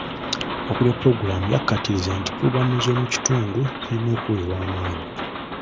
Akuulira pulogulaamu yakkaatirizza nti pulogulaamu z'omukitundu zirina okuweebwa amaanyi.